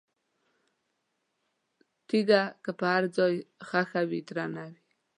تیګه که په ځای ښخه وي، درنه وي؛